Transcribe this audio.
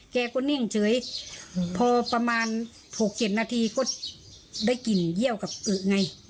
แกก็นิ่งเฉยพอประมาณ๖๗นาทีก็ได้กลิ่นเยี่ยวกับอึกไง